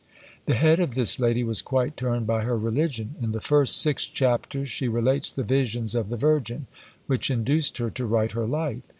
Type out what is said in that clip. The head of this lady was quite turned by her religion. In the first six chapters she relates the visions of the Virgin, which induced her to write her life.